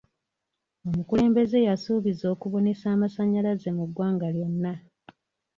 Omukulembeze yasuubiza okubunisa amasanyalaze mu ggwanga lyonna.